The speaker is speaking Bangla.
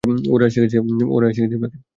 ওরা এসে গেছে, বাকে।